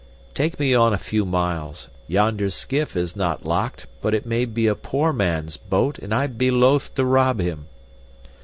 'Take me on a few miles. Yonder skiff is not locked, but it may be a poor man's boat and I'd be loath to rob him!